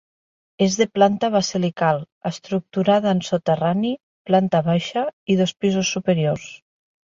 És de planta basilical, estructurada en soterrani, planta baixa i dos pisos superiors.